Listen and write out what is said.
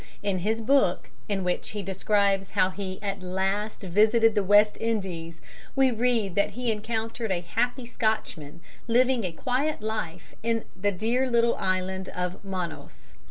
In his book, in which he describes how he "At Last" visited the West Indies, we read that he encountered a happy Scotchman living a quiet life in the dear little island of Monos.